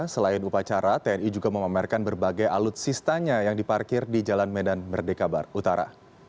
selain upacara tni juga memamerkan berbagai alutsistanya yang diparkir di jalan medan merdeka barat utara